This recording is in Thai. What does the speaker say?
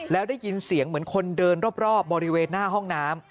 แล้วได้ยินเสียงเหมือนคนเดินรอบบริเวณหน้าห้องน้ำ